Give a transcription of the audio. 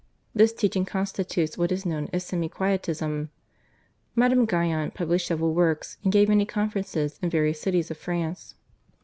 This teaching constitutes what is known as Semi Quietism. Madame Guyon published several works and gave many conferences in various cities of France.